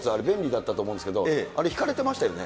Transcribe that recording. このお茶のやつ、便利だったと思うんですけれども、あれ、ひかれてましたよね。